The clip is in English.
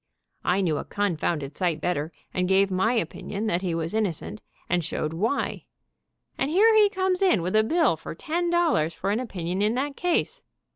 I knew a confounded sight bet ter, and gave my opinion that he was innocent, and showed why, and here he comes in with a bill for ten dollars for an opinion in that case.